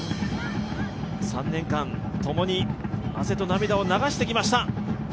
３年間、ともに汗と涙を流してきました